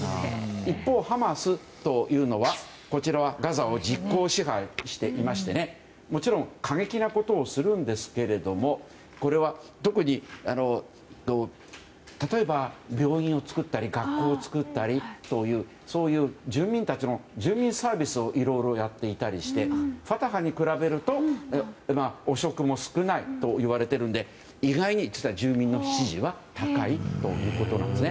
一方、ハマスというのはガザを実効支配していましてもちろん、過激なことをするんですけれども例えば、病院を作ったり学校を作ったりというそういう住民たちの住民サービスをいろいろやっていたりしてファタハに比べると汚職も少ないといわれているので以外に住民の支持は高いということです。